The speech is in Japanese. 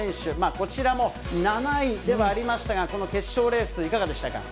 こちらも７位ではありましたが、この決勝レース、いかがでしたか。